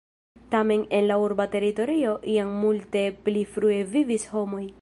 Tamen en la urba teritorio jam multe pli frue vivis homoj.